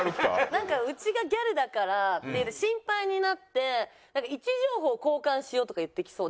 なんかうちがギャルだからっていうんで心配になって「位置情報交換しよう」とか言ってきそう。